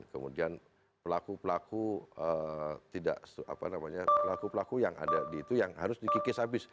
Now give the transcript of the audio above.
kemudian pelaku pelaku yang ada di itu yang harus dikikis habis